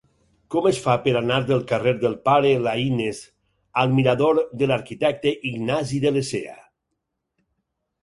Com es fa per anar del carrer del Pare Laínez al mirador de l'Arquitecte Ignasi de Lecea?